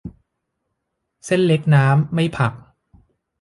เส้นเล็กน้ำ ไม่ผัก